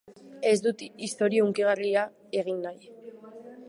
Ez dut istorio hunkigarria egin nahi.